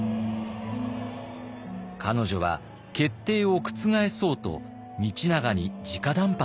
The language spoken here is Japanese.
彼女は決定を覆そうと道長にじか談判します。